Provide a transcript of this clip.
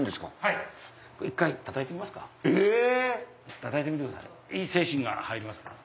いい精神が入りますから。